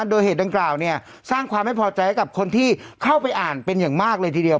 โดยเหตุดังกล่าวเนี่ยสร้างความไม่พอใจให้กับคนที่เข้าไปอ่านเป็นอย่างมากเลยทีเดียว